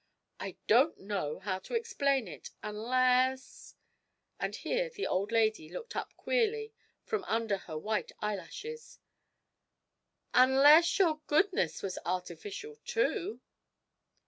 I don't know how to explain it, unless' (and here the old lady looked up queerly from under her white eyelashes), 'unless your goodness was artificial too?'